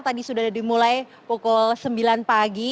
tadi sudah dimulai pukul sembilan pagi